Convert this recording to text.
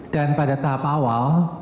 dan pada tahap awal